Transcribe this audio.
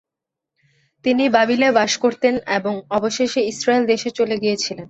তিনি বাবিলে বাস করতেন এবং অবশেষে ইস্রায়েল দেশে চলে গিয়েছিলেন।